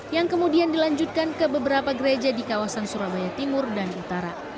yang kemudian dilanjutkan ke beberapa gereja di kawasan surabaya timur dan utara